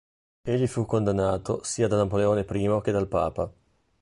Egli fu condannato sia da Napoleone I che dal Papa.